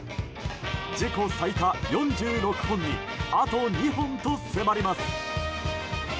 自己最多４６本にあと２本と迫ります。